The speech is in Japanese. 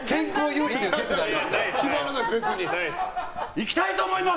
いきたいと思います！